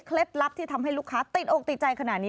ลับที่ทำให้ลูกค้าติดอกติดใจขนาดนี้